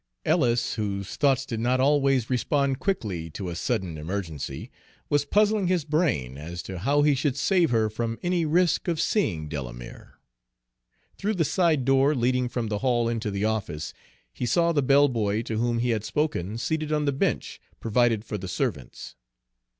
Ellis, whose thoughts did not always respond quickly to a sudden emergency, was puzzling his brain as to how he should save her from any risk of seeing Delamere. Through the side door leading from the hall into the office, he saw the bell boy to whom he had spoken seated on the bench provided for the servants.